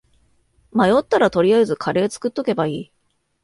迷ったら取りあえずカレー作っとけばいい